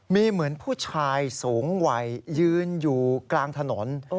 มีเหมือนผู้ชายสูงวัยยืนอยู่กลางถนน